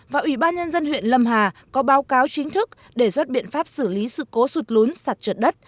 và ubnd huyện lâm hà có báo cáo chính thức để doát biện pháp xử lý sự cố sụt lún sạt trượt đất